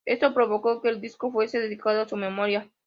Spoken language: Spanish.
Esto provocó que el disco fuese dedicado a su memoria.